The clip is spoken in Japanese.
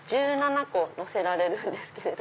１７個のせられるんです。